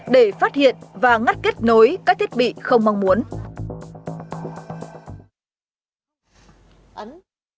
để phát hiện và ngắt kết nối các thiết bị không mong muốn